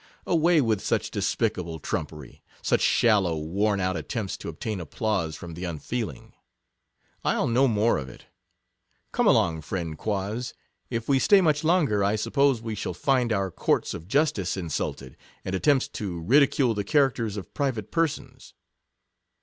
Away with such despicable trumpery — such shallow, worn out attempts to obtain applause from the unfeeling. I'll no more of it; come along, friend Quoz; if we stay much longer, I suppose we shall find our courts of justice insulted, and attempts to ridicule the characters of private persons